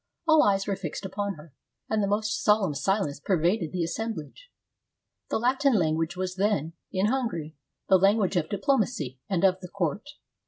All eyes were fixed upon her, and the most solemn si lence pervaded the assemblage. The Latin language was then, in Hungary, the lan guage of diplomacy and of the court.